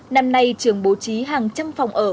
năm nay trường bố trí hàng trăm phòng ở